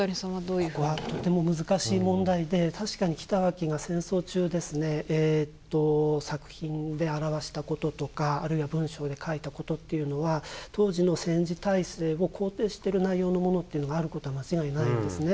ここはとても難しい問題で確かに北脇が戦争中ですね作品で表したこととかあるいは文章で書いたことっていうのは当時の戦時体制を肯定している内容のものっていうのがあることは間違いないんですね。